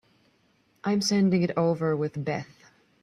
I'm sending it over with Beth.